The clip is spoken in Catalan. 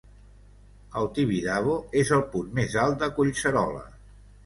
El Tibidabo es el punt mes alt de Collserola.